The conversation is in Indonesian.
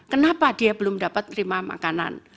kenapa dia belum dapat terima makanan